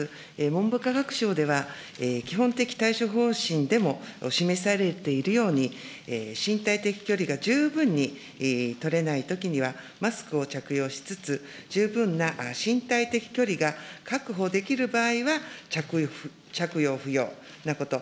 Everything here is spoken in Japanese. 文部科学省では、基本的対処方針でも示されているように、身体的距離が十分に取れないときには、マスクを着用しつつ、十分な身体的距離が確保できる場合は、着用不要なこと。